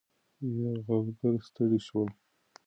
یرغلګر ستړي شول.